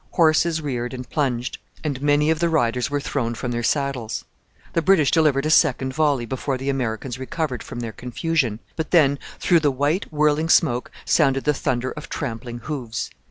Horses reared and plunged, and many of the riders were thrown from their saddles. The British delivered a second volley before the Americans recovered from their confusion. But then, through the white, whirling smoke, sounded the thunder of trampling hoofs.